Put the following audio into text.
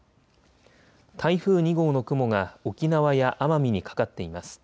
台風２号の雲が沖縄や奄美にかかっています。